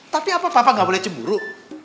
tapi apa papa gak boleh cemburu